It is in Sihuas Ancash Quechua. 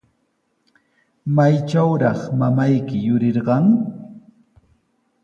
¿Maytrawtaq mamayki yurirqan?